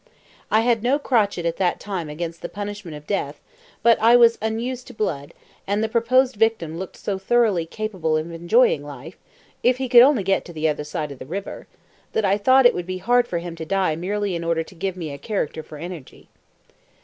I had no crotchet at that time against the punishment of death, but I was unused to blood, and the proposed victim looked so thoroughly capable of enjoying life (if he could only get to the other side of the river), that I thought it would be hard for him to die merely in order to give me a character for energy.